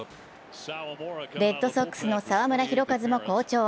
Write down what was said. レッドソックスの澤村拓一も好調。